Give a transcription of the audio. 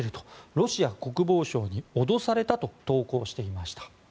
ロシア国防省に脅されたと投稿していました。